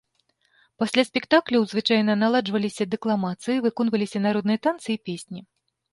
Пасля спектакляў звычайна наладжваліся дэкламацыі, выконваліся народныя танцы і песні.